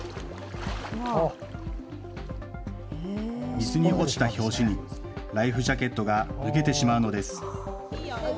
水に落ちた拍子にライフジャケットが脱げてしまうのです。